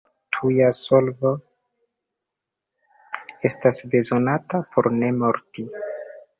Tuja solvo estas bezonata por ne morti.